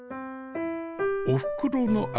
おふくろの味